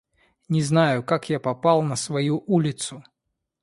Не знаю, как я попал на свою улицу.